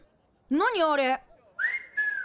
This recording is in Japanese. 何あれ？